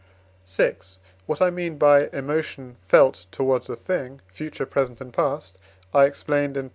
VI. What I mean by emotion felt towards a thing, future, present, and past, I explained in III.